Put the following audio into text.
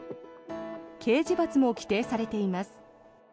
刑事罰も規定されています。